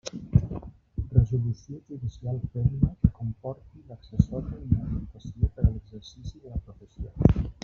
Resolució judicial ferma que comporti l'accessòria inhabilitació per a l'exercici de la professió.